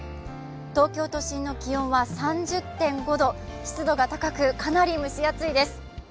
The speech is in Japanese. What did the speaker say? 東京都心の気温は３０．５度、湿度が高くかなり蒸し暑いです。